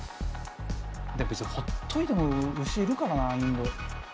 別にほっといても牛いるからなあインド。